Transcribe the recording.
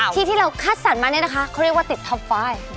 ที่เราคัดสรรมาเนี่ยนะคะเขาเรียกว่าติดท็อปไฟล์